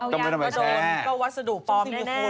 ยันก็โดนก็วัสดุปลอมแน่